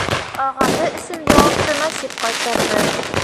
Ағаһы өсөн яуапты Насип ҡайтарҙы: